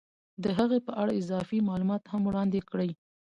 د هغې په اړه اضافي معلومات هم وړاندې کړي